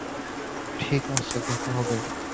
ঠিক আছে, দেখা হবে।